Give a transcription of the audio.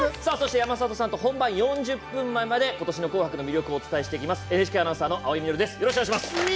山里さんと本番４０分前まで今年の紅白の魅力をお伝えします。